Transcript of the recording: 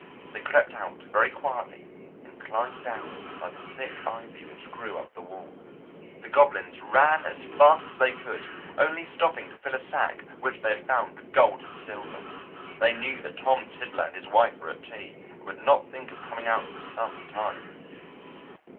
They crept out very quietly and climbed down by the thick ivy which grew up the wall. The goblins ran as fast as they could, only stopping to fill a sack which they had found with gold and silver. They knew that Tom Tiddler and his wife were at tea, and would not think of coming out for some time.